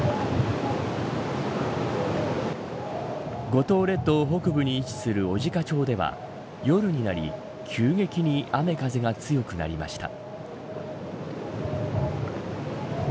五島列島北部に位置する小値賀町では夜になり急激に雨風が強くなりました。